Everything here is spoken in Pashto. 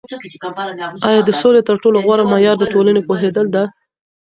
آیا د سولي تر ټولو غوره معیار د ټولني پوهیدل ده؟